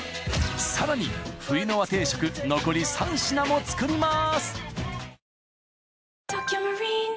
さらに冬の和定食残り３品も作ります